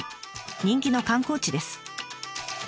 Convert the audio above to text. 人気の観光地です。